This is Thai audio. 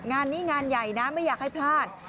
งานนี้งานใหญ่นะไม่อยากให้พลาด